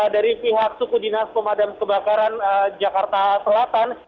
dari pihak suku dinas pemadam kebakaran jakarta selatan